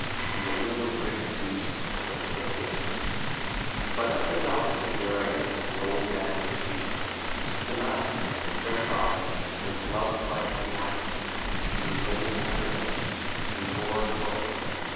And the will of great Zeus was fulfilled. (ll. 1003 1007) But of the daughters of Nereus, the Old man of the Sea, Psamathe the fair goddess, was loved by Aeacus through golden Aphrodite and bare Phocus.